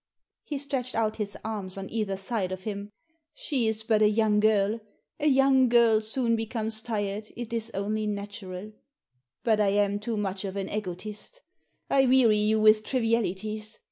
*' He stretched out his arms on either side of him. " She is but a young girl ; a young girl soon becomes tired, it is only natiuaL But I am too much of an ^^tist I weary you with trivialities.